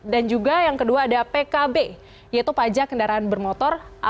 dan juga yang kedua ada pkb yaitu pajak kendaraan bermotor